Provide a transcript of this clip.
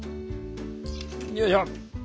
よいしょ。